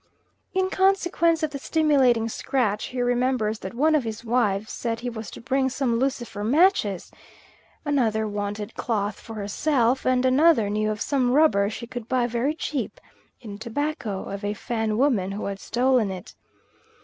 In consequence of the stimulating scratch, he remembers that one of his wives said he was to bring some Lucifer matches, another wanted cloth for herself, and another knew of some rubber she could buy very cheap, in tobacco, of a Fan woman who had stolen it.